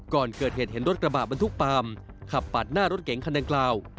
ก่อนเกิดเหตุเห็นรถกระบะบรรทุกปาล์มขับปาดหน้ารถเก๋งคันดังกล่าว